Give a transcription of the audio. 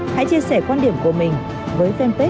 hãy chia sẻ quan điểm của mình với fanpage